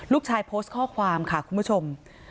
ลูกชายโพสต์ข้อความค่ะคุณผู้ชม